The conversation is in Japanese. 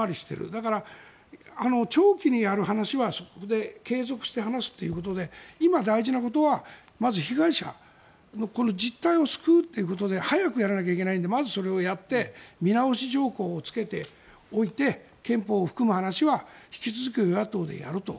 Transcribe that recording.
だから長期にやる話はそこで継続して話すということで今、大事なことはまず被害者の実態を救うということで早くやらなきゃいけないのでまずそれをやって見直し条項をつけておいて憲法を含む話は引き続き与野党でやると。